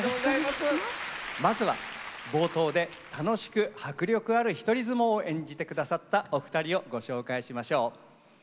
まずは冒頭で楽しく迫力ある「一人角力」を演じて下さったお二人をご紹介しましょう。